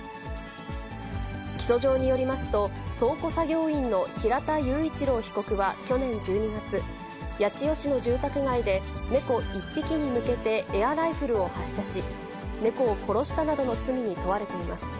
起訴状によりますと、倉庫作業員の平田雄一郎被告は去年１２月、八千代市の住宅街で、猫１匹に向けて、エアライフルを発射し、猫を殺したなどの罪に問われています。